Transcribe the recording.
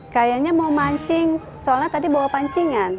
kayaknya mau mancing soalnya tadi bawa pancingan